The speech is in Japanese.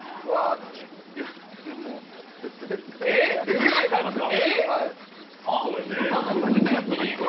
２枚替えますか？